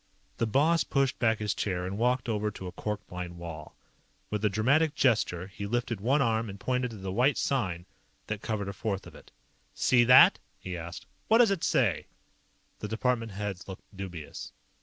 The boss pushed back his chair and walked over to a cork lined wall. With a dramatic gesture, he lifted one arm and pointed to the white sign that covered a fourth of it. "See that?" he asked. "What does it say?" The department heads looked dubious.